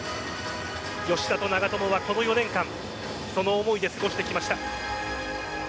吉田と長友は、この４年間その思いで過ごしてきました。